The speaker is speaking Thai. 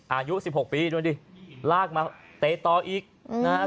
อายุ๑๖ปีดูดิลากมาเตะต่ออีกนะฮะ